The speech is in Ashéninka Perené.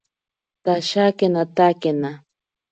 Tashakenatakena.